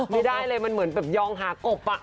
ไม่ได้เลยมันเหมือนแบบยองหากบ